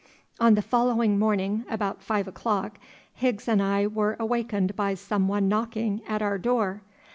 On the following morning about five o'clock Higgs and I were awakened by some one knocking at our door.